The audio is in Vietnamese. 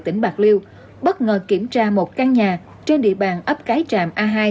tỉnh bạc liêu bất ngờ kiểm tra một căn nhà trên địa bàn ấp cái tràm a hai